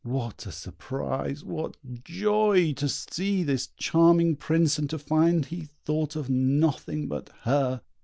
What a surprise, what joy to see this charming Prince, and to find he thought of nothing but her!